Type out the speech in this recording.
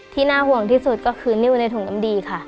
น่าห่วงที่สุดก็คือนิ้วในถุงน้ำดีค่ะ